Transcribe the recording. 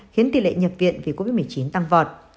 khiến tỷ lệ nhập viện vì covid một mươi chín tăng vọt